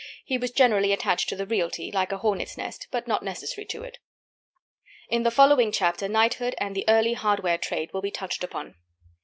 He was generally attached to the realty, like a hornet's nest, but not necessary to it. In the following chapter knighthood and the early hardware trade will be touched upon.